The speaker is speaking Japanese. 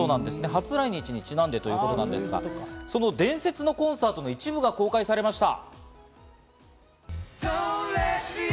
初来日にちなんでということなんですが、その伝説のコンサートの一部が公開されました。